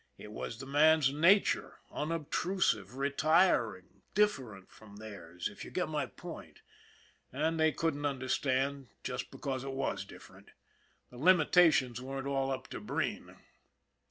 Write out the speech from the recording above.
It was the man's nature, unobtrusive, retiring different from theirs, if you get my point, and they couldn't un derstand just because it was different. The limitations weren't all up to Breen.